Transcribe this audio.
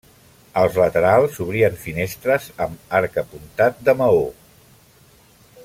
Als laterals s'obrien finestres amb arc apuntat de maó.